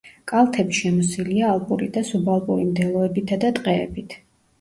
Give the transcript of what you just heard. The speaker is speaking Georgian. კალთები შემოსილია ალპური და სუბალპური მდელოებითა და ტყეებით.